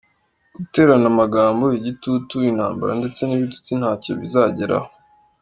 Guterana amagambo , igitutu, intambara ndetse n’ibitutsi ntacyo bizageraho.